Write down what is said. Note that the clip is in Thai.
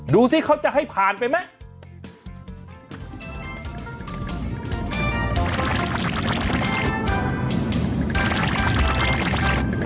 ดูสิเขาจะให้ผ่านไปไหม